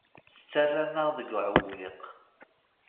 Tettarram-aɣ deg uɛewwiq.